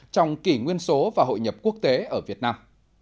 trong kỷ nguyên số và hội nhập quốc tế ở việt nam